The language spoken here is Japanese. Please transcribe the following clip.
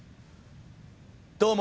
どうも。